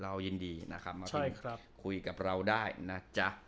เรายินดีนะครับมาคุยกับเราได้นะจ๊ะ